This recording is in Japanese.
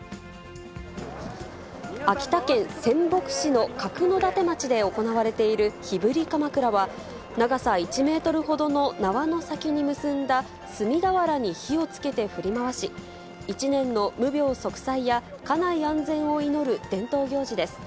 秋田県仙北市の角館町で行われている火振りかまくらは、長さ１メートルほどの縄の先に結んだ炭俵に火をつけて振り回し、一年の無病息災や家内安全を祈る伝統行事です。